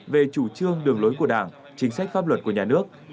về chủ trương đường lối của đảng chính sách pháp luật của nhà nước